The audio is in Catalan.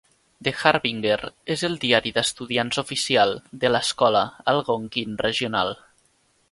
"The Harbinger" és el diari d'estudiants oficial de l'escola Algonquin Regional.